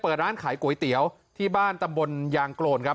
เปิดร้านขายก๋วยเตี๋ยวที่บ้านตำบลยางโกนครับ